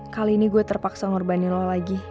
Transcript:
kali ini gue terpaksa ngurbanin lo lagi